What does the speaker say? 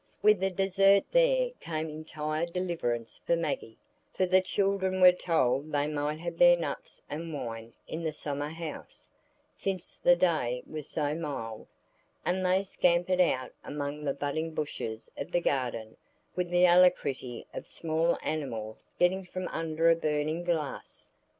With the dessert there came entire deliverance for Maggie, for the children were told they might have their nuts and wine in the summer house, since the day was so mild; and they scampered out among the budding bushes of the garden with the alacrity of small animals getting from under a burning glass.